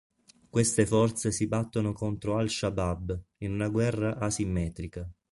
Queste forze si battono contro Al-Shabaab in una guerra asimmetrica.